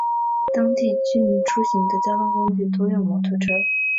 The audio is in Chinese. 当地居民出行的交通工具多用摩托车。